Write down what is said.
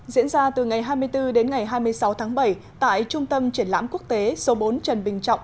diễn ra từ ngày hai mươi bốn đến ngày hai mươi sáu tháng bảy tại trung tâm triển lãm quốc tế số bốn trần bình trọng